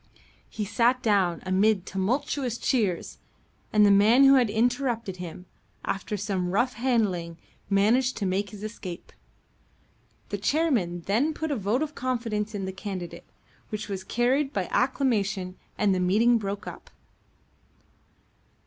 He sat down amid tumultuous cheers, and the man who had interrupted him, after some rough handling, managed to make his escape. The chairman then put a vote of confidence in the candidate, which was carried by acclamation, and the meeting broke up.